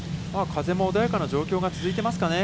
風も穏やかな状況が続いていますかね。